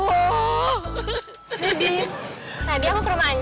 nadine tadi aku ke rumah anjing